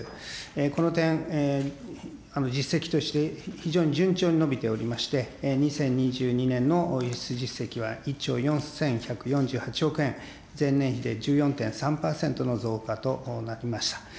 この点、実績として非常に順調に伸びておりまして、２０２２年の輸出実績は１兆４１４８億円、前年比で１４．３％の増加となりました。